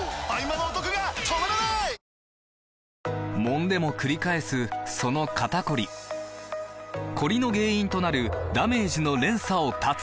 もんでもくり返すその肩こりコリの原因となるダメージの連鎖を断つ！